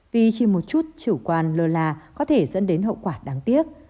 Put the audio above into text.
vì chỉ một chút chủ quan lơ là có thể dẫn đến hậu quả đáng tiếc